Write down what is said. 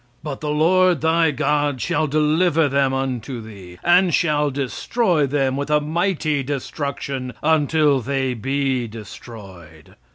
"But the Lord thy God shall deliver them unto thee, and shall destroy them with a mighty destruction, until they be destroyed.